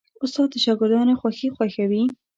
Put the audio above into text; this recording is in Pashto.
استاد د شاګردانو خوښي خوښوي.